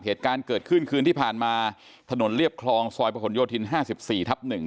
เหตุการณ์เกิดขึ้นคืนที่ผ่านมาถนนเรียบคลองซอยประผลโยชน์ทินห้าสิบสี่ทับหนึ่ง